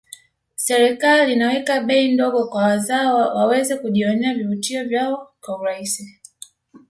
serikali inaweka bei ndogo kwa wazawa waweze kujionea vivutio vyao kwa urahisi